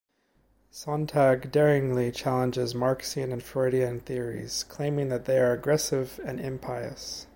Sontag daringly challenges Marxian and Freudian theories, claiming they are "aggressive and impious".